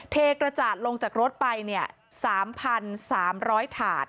เทกระจาดลงจากรถไป๓๓๐๐ถาด